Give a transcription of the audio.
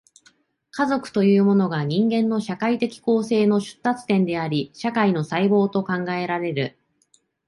家族というものが、人間の社会的構成の出立点であり、社会の細胞と考えられる。